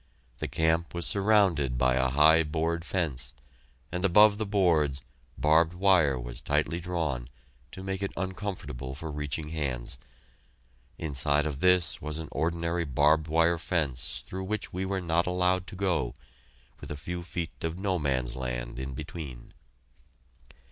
The camp was surrounded by a high board fence, and above the boards, barbed wire was tightly drawn, to make it uncomfortable for reaching hands. Inside of this was an ordinary barbed wire fence through which we were not allowed to go, with a few feet of "No Man's Land" in between.